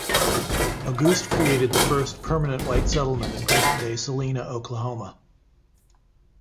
Auguste created the first permanent white settlement in present-day Salina, Oklahoma.